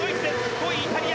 ５位イタリア。